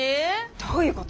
どういうこと？